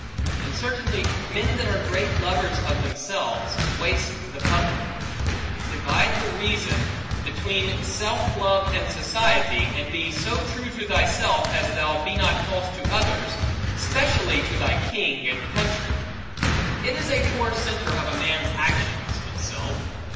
And certainly, men that are great lovers of themselves, waste the public. Divide with reason; between self love and society; and be so true to thyself, as thou be not false to others; specially to thy king and country. It is a poor centre of a man's actions, himself.